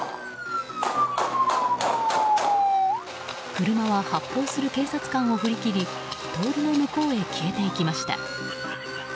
車は発砲する警察官を振り切り通りの向こうへ消えていきました。